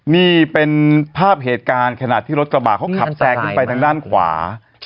นี่เป็นภาพเหตุการณ์ขณะที่รถกระบะเขาขับแซงขึ้นไปทางด้านขวา